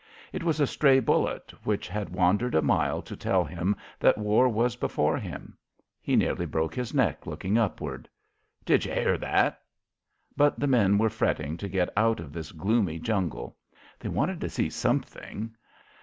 It was a stray bullet which had wandered a mile to tell him that war was before him. He nearly broke his neck looking upward. "Did ye hear that?" But the men were fretting to get out of this gloomy jungle. They wanted to see something.